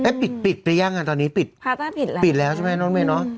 เอ๊ะปิดไปยังอ่ะตอนนี้ปิดแล้วใช่ไหมน้องเมย์น้อง